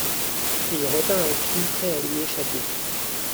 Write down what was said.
Il retint un cri prêt à lui échapper.